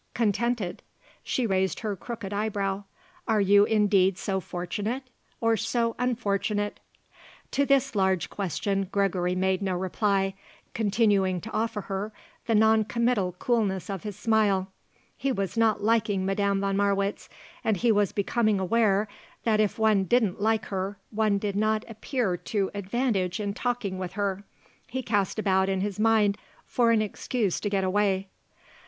"Contented?" she raised her crooked eyebrow. "Are you indeed so fortunate? or so unfortunate?" To this large question Gregory made no reply, continuing to offer her the non committal coolness of his smile. He was not liking Madame von Marwitz, and he was becoming aware that if one didn't like her one did not appear to advantage in talking with her. He cast about in his mind for an excuse to get away.